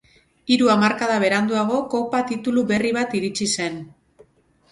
Hiru hamarkada beranduago kopa titulu berri bat iritsi zen.